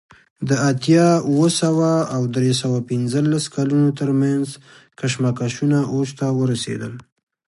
د اتیا اوه سوه او درې سوه پنځلس کلونو ترمنځ کشمکشونه اوج ته ورسېدل